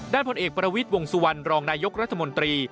ผลเอกประวิทย์วงสุวรรณรองนายกรัฐมนตรี